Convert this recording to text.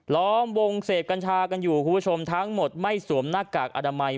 ล้อมวงเสพกัญชากันอยู่คุณผู้ชมทั้งหมดไม่สวมหน้ากากอนามัย